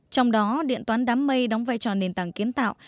trong đó điện toán đám mây đóng vai trò nền tảng kiến tạo